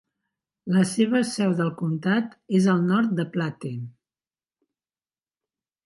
La seva seu del comtat és el nord de Platte.